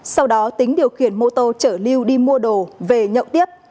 sau đó tính điều khiển mô tô chở lưu đi mua đồ về nhậu tiếp